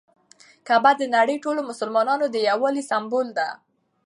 کعبه د نړۍ ټولو مسلمانانو د یووالي سمبول ده.